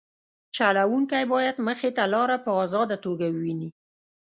چلوونکی باید مخې ته لاره په ازاده توګه وویني